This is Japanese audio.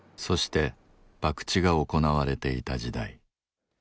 そして博打が行われていた時代。